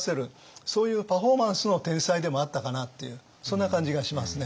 そういうパフォーマンスの天才でもあったかなっていうそんな感じがしますね。